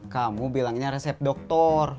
kamu bilangnya resep dokter